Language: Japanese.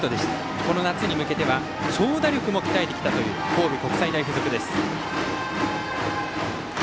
この夏に向けては長打力も鍛えてきたという神戸国際大付属です。